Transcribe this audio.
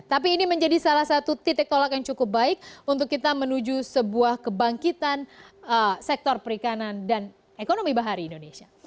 tapi ini menjadi salah satu titik tolak yang cukup baik untuk kita menuju sebuah kebangkitan sektor perikanan dan ekonomi bahari indonesia